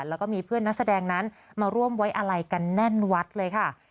แล้วก็มีเพื่อนนักแสดงนั้นมาร่วมไว้อาลัยกันแน่นวัดเลยค่ะ